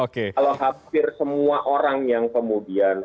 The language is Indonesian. kalau hampir semua orang yang kemudian